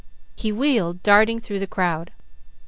He wheeled, darting through the crowd.